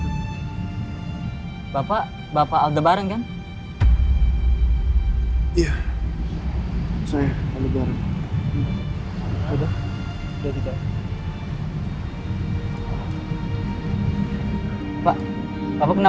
hai bapak bapak aldebaran kan iya saya